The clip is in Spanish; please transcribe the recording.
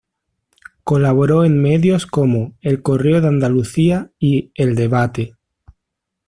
Colaboró en medios como "El Correo de Andalucía" y "El Debate".